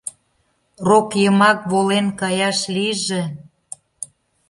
Рок йымак волен каяш лийже!